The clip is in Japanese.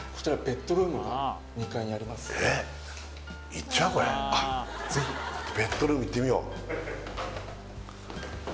はい是非ベッドルーム行ってみよう